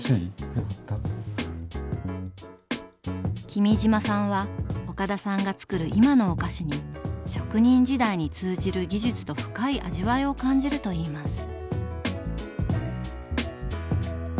君島さんは岡田さんがつくる今のお菓子に職人時代に通じる技術と深い味わいを感じるといいます。